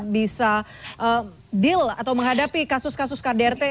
bisa deal atau menghadapi kasus kasus kdrt